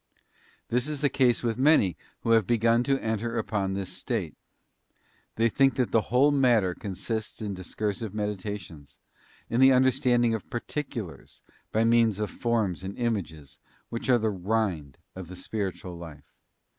This is the case with many who have begun to enter upon this state. They think that the whole matter consists in discursive meditations, _ in the understanding of particulars by means of forms and images, which are the rind of the spiritual life.